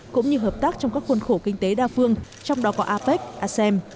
cũng như hợp tác trong các khuôn khổ kinh tế đa phương trong đó có apec asem